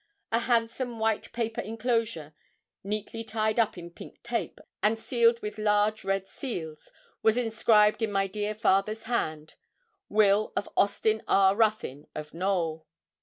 A handsome white paper enclosure, neatly tied up in pink tape, and sealed with large red seals, was inscribed in my dear father's hand: 'Will of Austin R. Ruthyn, of Knowl.'